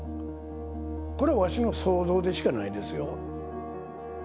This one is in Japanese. これはわしの想像でしかないですよ。